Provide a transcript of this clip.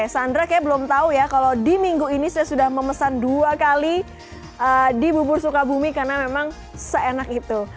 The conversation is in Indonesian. sandra kayaknya belum tahu ya kalau di minggu ini saya sudah memesan dua kali di bubur sukabumi karena memang seenak itu